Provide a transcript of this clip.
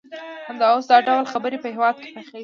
همدا اوس دا ډول خبرې په هېواد کې پراخیږي